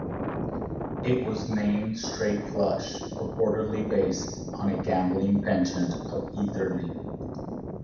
It was named "Straight Flush", purportedly based on a gambling penchant of Eatherly.